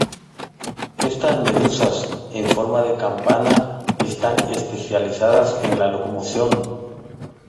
Estas medusas en forma de campana están especializadas en la locomoción.